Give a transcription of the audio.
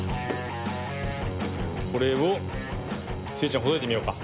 これをスイちゃんほどいてみようか。